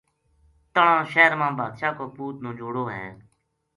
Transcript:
تہنا شہر ما بادشاہ کو پوت نجوڑو ہے